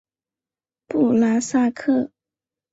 布拉萨克。